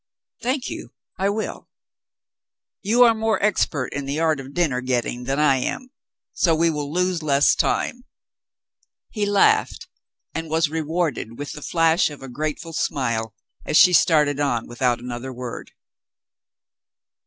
"Thank you, I will. You are more expert in the art of dinner getting than I am, so we will lose less time." He laughed and was rewarded with the flash of a grateful smile as she started on without another w^ord.